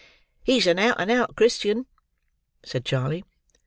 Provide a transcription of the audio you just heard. "He's an out and out Christian," said Charley.